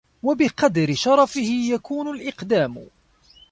وَبِقَدْرِ شَرَفِهِ يَكُونُ الْإِقْدَامُ